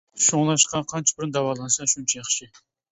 شۇڭلاشقا قانچە بۇرۇن داۋالانسا شۇنچە ياخشى.